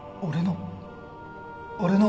俺の！？